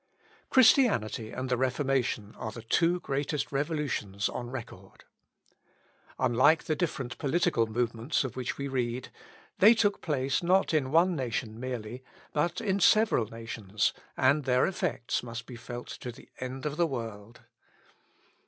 Christianity and the Reformation are the two greatest revolutions on record. Unlike the different political movements of which we read, they took place not in one nation merely, but in several nations, and their effects must be felt to the end of the world.